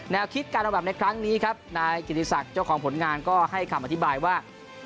คิดการระบาดในครั้งนี้ครับนายกิติศักดิ์เจ้าของผลงานก็ให้คำอธิบายว่า